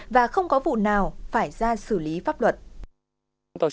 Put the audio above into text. và không có vụ nào phải ra xử lý pháp luật